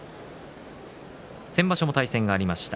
先場所も対戦がありました。